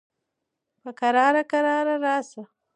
په قلاره قلاره راشه